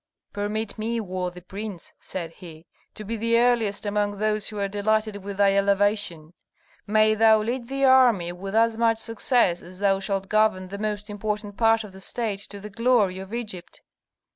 "Permit me, worthy prince," said he, "to be the earliest among those who are delighted with thy elevation. May thou lead the army with as much success as thou shalt govern the most important part of the state to the glory of Egypt."